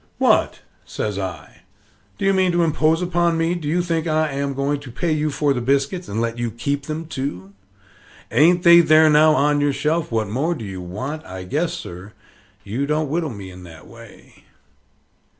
"What!" says I, "do you mean to impose upon me? do you think I am going to pay you for the biscuits and let you keep them, too? Ain't they there now on your shelf? What more do you want? I guess, sir, you don't whittle me in that way."